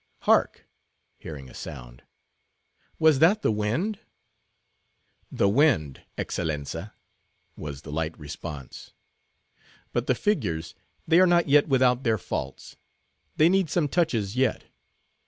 Hark!" hearing a sound, "was that the wind?" "The wind, Excellenza," was the light response. "But the figures, they are not yet without their faults. They need some touches yet.